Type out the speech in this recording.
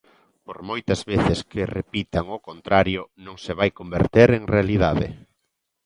Por moitas veces que repitan o contrario, non se vai converter en realidade.